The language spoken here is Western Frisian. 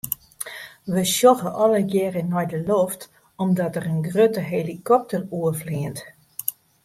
We sjogge allegearre nei de loft omdat der in grutte helikopter oerfleant.